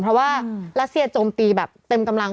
เพราะว่ารัสเซียโจมตีแบบเต็มกำลัง